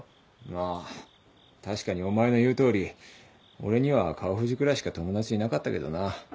まあ確かにお前の言うとおり俺には川藤くらいしか友達いなかったけどな。